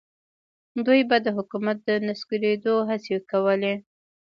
دوی به د حکومت د نسکورېدو هڅې کولې.